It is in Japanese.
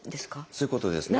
そういうことですね。